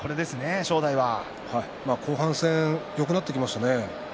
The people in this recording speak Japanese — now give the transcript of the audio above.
後半戦、よくなってきましたね。